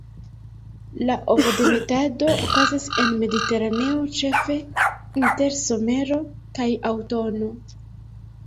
La ovodemetado okazas en Mediteraneo ĉefe inter somero kaj aŭtuno.